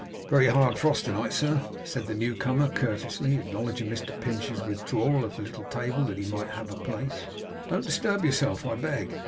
'Very hard frost to night, sir,' said the newcomer, courteously acknowledging Mr Pinch's withdrawal of the little table, that he might have place: 'Don't disturb yourself, I beg.